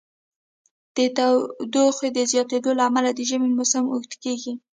د تودوخې د زیاتیدو له امله د ژمی موسم اوږد کیږي.